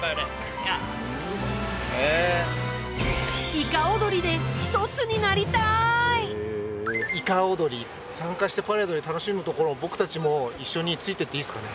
いか踊りで１つになりたいいか踊り参加してパレードで楽しむところを僕たちも一緒についていっていいですかね？